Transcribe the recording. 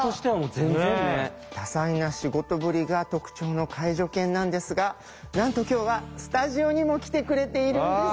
多彩な仕事ぶりが特徴の介助犬なんですがなんと今日はスタジオにも来てくれているんです！